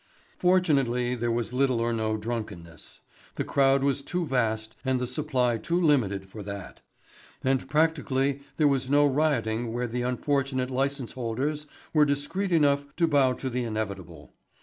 Fortunately there was little or no drunkenness. The crowd was too vast and the supply too limited for that. And practically there was no rioting where the unfortunate license holders were discreet enough to bow to the inevitable.